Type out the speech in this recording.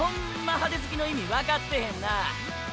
派手好きの意味分かってへんな。